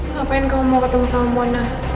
ngapain kamu mau ketemu sama mona